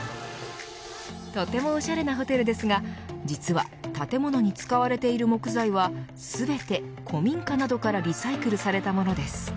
とてもおしゃれなホテルですが実は建物に使われている木材は全て古民家などからリサイクルされたものです。